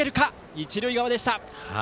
一塁側でした。